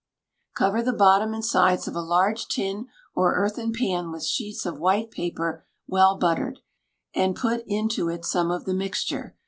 Cover the bottom and sides of a large tin or earthen pan with sheets of white paper well buttered, and put into it some of the mixture.